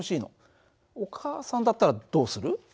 お母さんだったらどうする？